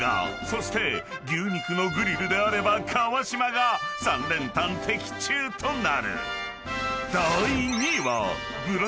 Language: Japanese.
［そして牛肉のグリルであれば川島が３連単的中となる］